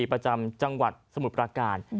ประจำจังหวัดสมุทรปราการ